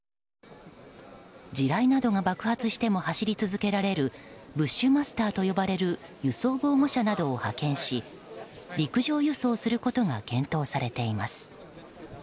地雷などが爆発しても走り続けられるブッシュマスターと呼ばれる輸送防護車などを派遣し陸上輸送することが検討されています。